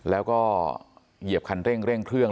แล้วก็เหยียบคันเร่งเครื่อง